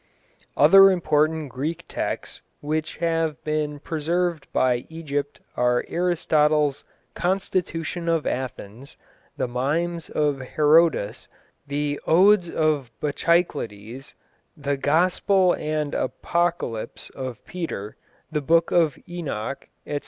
Other important Greek texts which have been preserved by Egypt are Aristotle's Constitution of Athens, the Mimes of Herodas, the Odes of Bacchylides, the Gospel and Apocalypse of Peter, the Book of Enoch, &c.